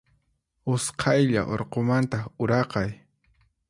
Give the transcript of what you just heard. Usqaylla urqumanta uraqay.